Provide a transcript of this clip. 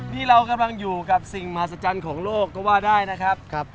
นี่เรากำลังอยู่กับสิ่งมหัศจรรย์ของโลกก็ว่าได้นะครับ